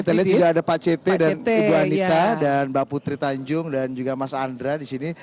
kita lihat juga ada pak cete dan ibu anita dan mbak putri tanjung dan juga mas andra di sini